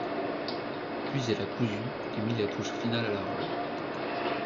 Puis elle a cousu et mis la touche finale à la robe.